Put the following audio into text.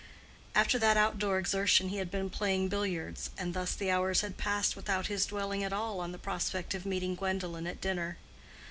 After that outdoor exertion he had been playing billiards, and thus the hours had passed without his dwelling at all on the prospect of meeting Gwendolen at dinner.